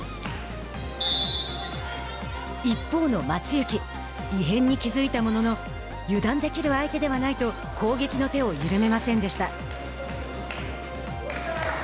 一方の松雪異変に気付いたものの油断できる相手ではないと攻撃の手を緩めませんでした。